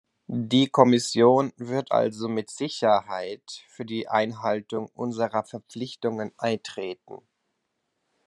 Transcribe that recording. Die Kommission wird also mit Sicherheit für die Einhaltung unserer Verpflichtungen eintreten.